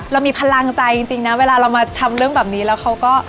เรามีพลังใจจริงนะเวลาเรามาทำเรื่องแบบนี้แล้วเขาก็